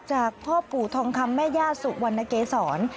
จากพ่อปู่ทองคำแม่ย่าสุวรรณเกษร